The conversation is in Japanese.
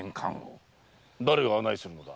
誰が案内するのだ？